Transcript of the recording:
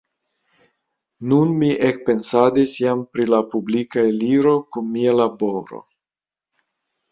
Nun mi ekpensadis jam pri la publika eliro kun mia laboro.